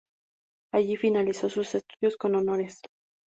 Allí finalizó sus estudios con honores.